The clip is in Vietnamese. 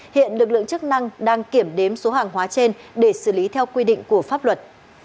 hiện lực lượng chức năng đang kiểm đếm số hàng hóa trên để xử lý theo quy định của pháp luật